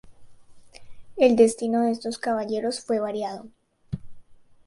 El destino de estos caballeros fue variado.